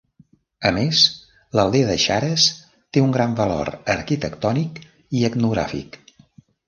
A més, l'aldea de Xares té un gran valor arquitectònic i etnogràfic.